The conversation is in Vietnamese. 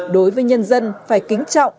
đối với nhân dân phải kính trọng